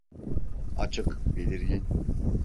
Açık, belirgin.